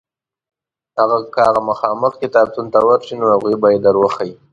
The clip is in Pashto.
که هغه مخامخ کتابتون ته ورشې نو هغوی به یې در وښیي.